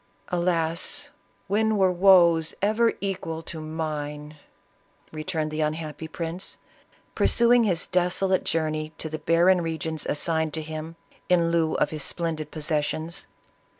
" Alas ! when were woes ever equal to mine 1" returned the unhappy prince, pursu ing his desolate journey to the barren regions assigned to him in lieu of his splendid possessions.